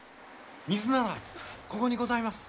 水ならここにございます。